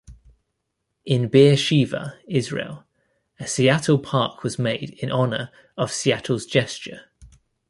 In Beer Sheva, Israel, a "Seattle Park" was made in honor of Seattle's gesture.